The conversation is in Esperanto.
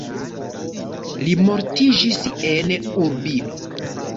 Li mortiĝis en Urbino.